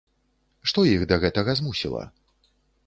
Што іх да гэтага змусіла?